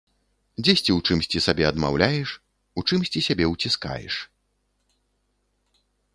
Дзесьці ў чымсьці сабе адмаўляеш, у чымсьці сябе уціскаеш.